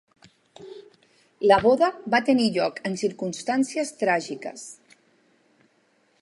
La boda va tenir lloc en circumstàncies tràgiques.